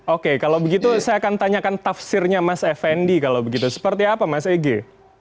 oke kalau begitu saya akan tanyakan tafsirnya mas effendi kalau begitu seperti apa mas ege